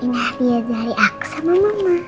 ini harian dari aku sama mama